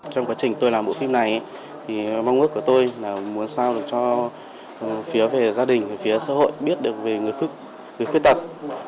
trong quá trình tôi làm bộ phim này mong ước của tôi là muốn sao được cho phía gia đình phía xã hội biết được về người khuyết tật